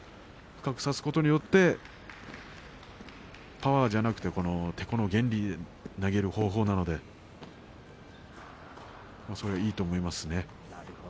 深く差すことによってパワーじゃなくててこの原理で投げる方法なのでいいと思います。